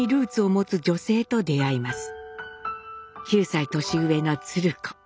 ９歳年上の鶴子。